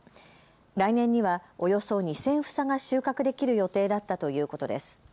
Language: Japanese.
来年にはおよそ２０００房が収穫できる予定だったということです。